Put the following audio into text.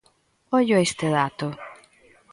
Ollo a este dato.